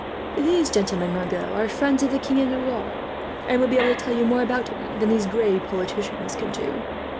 "These gentlemen, Margot, are friends of the King of Navarre, and will be able to tell you more about him than these grave politicians can do."